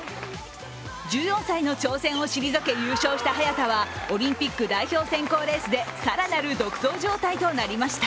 １４歳の挑戦を退け優勝した早田はオリンピック代表選考レースで更なる独走状態となりました。